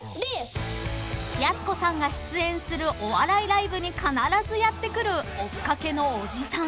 ［やす子さんが出演するお笑いライブに必ずやって来る追っかけのおじさん］